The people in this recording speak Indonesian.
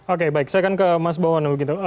oke baik saya akan ke mas bowono begitu